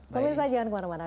kami berusaha jangan kemana mana